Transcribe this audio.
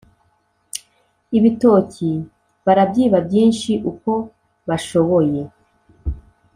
ibitoki barabyiba byinshi uko bashoboye